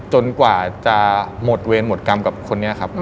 กว่าจะหมดเวรหมดกรรมกับคนนี้ครับ